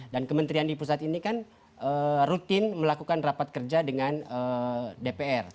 dan kementerian di pusat ini kan rutin melakukan rapat kerja dengan dpr